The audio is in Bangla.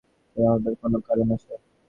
চেনা মনে হবার কি কোনো কারণ আছে?